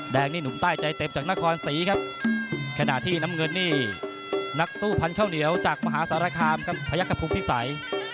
แดงนี่หนุ่มใต้ใจเต็มจากนครศรีครับขณะที่น้ำเงินนี่นักสู้พันธุ์ข้าวเหนียวจากมหาสารคามครับพยักษภูมิพิสัย